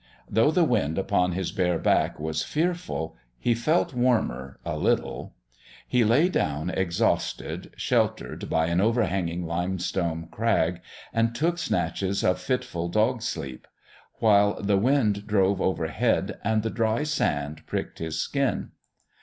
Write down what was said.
Though the wind upon his bare back was fearful, he felt warmer a little. He lay down exhausted, sheltered by an overhanging limestone crag, and took snatches of fitful dog's sleep, while the wind drove overhead and the dry sand pricked his skin.